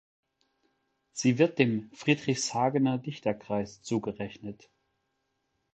Sie wird dem Friedrichshagener Dichterkreis zugerechnet.